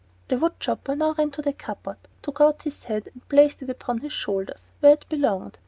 The wood chopper now ran to the cupboard, took out his head and placed it upon his shoulders where it belonged.